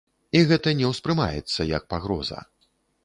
І гэта не ўспрымаецца як пагроза.